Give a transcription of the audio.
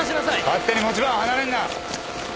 勝手に持ち場を離れるな。